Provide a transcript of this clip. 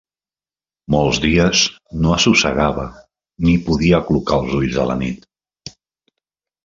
Molts dies no assossegava ni podia aclucar els ulls a la nit.